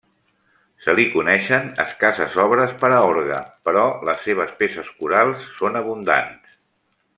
Se li coneixen escasses obres per a orgue, però les seves peces corals són abundants.